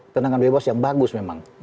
tendangan bebas yang bagus memang